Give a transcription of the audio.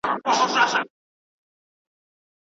کارپوهانو ویلي چې مصرف باید کنټرول شي.